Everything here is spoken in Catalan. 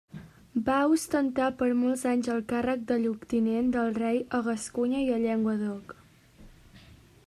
Va ostentar per molts anys el càrrec de lloctinent del rei a Gascunya i Llenguadoc.